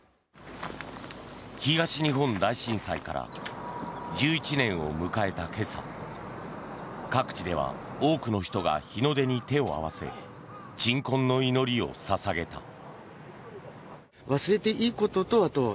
東日本大震災から１１年を迎えた今朝各地では多くの人が日の出に手を合わせ鎮魂の祈りを捧げた。